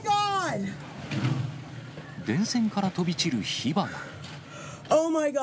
電線から飛び散る火花。